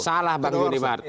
salah bang judimat